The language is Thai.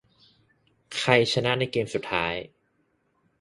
ใครชนะในเกมส์สุดท้าย ?